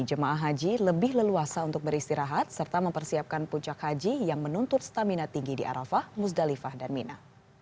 jemaah haji lebih leluasa untuk beristirahat serta mempersiapkan puncak haji yang menuntut stamina tinggi di arafah musdalifah dan mina